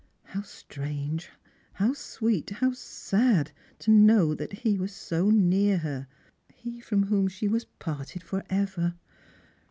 How strange, how sweet, how sad to know he was so near her — he from whom she was parted for ever